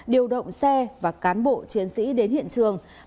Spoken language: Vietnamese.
điều động xe và cán bộ chiến sĩ đến hiện trường